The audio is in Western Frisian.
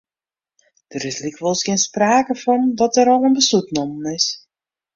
Der is lykwols gjin sprake fan dat der al in beslút nommen is.